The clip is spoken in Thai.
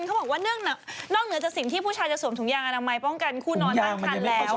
เขาบอกว่านอกเหนือจากสิ่งที่ผู้ชายจะสวมถุงยางอนามัยป้องกันคู่นอนตั้งคันแล้ว